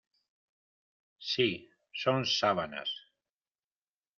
Sí, son sábanas.